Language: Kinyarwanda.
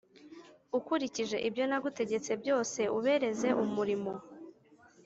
Ukurikije ibyo nagutegetse byose ubereze umurimo